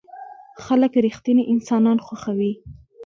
خلک رښتيني انسانان خوښوي.